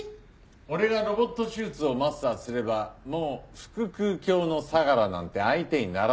俺がロボット手術をマスターすればもう腹腔鏡の相良なんて相手にならない。